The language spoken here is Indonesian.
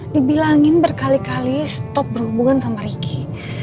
dibilangin berkali kali stop berhubungan sama ricky